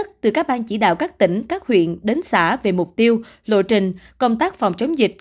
từ các bang chỉ đạo các tỉnh các huyện đến xã về mục tiêu lộ trình công tác phòng chống dịch